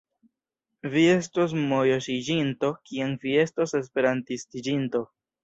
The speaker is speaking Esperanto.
Vi estos mojosiĝinto, kiam vi estos Esperantistiĝinto!